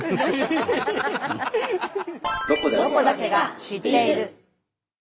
「ロコだけが知っている」。